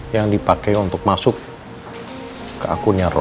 yang dipakai untuk masuk ke akunnya